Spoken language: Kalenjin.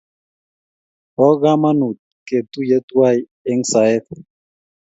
bo kamanut ketuyie tuwai eng' saet